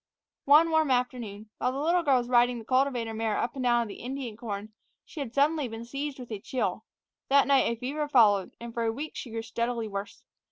One warm afternoon, while the little girl was riding the cultivator mare up and down in the Indian corn, she had suddenly been seized with a chill. That night a fever followed, and for a week she grew steadily worse.